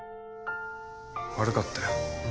悪かったよ。